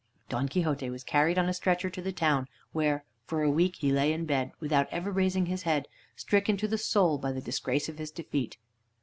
Don Quixote was carried on a stretcher to the town, where for a week he lay in bed without ever raising his head, stricken to the soul by the disgrace of his defeat.